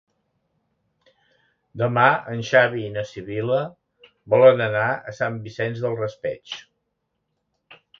Demà en Xavi i na Sibil·la volen anar a Sant Vicent del Raspeig.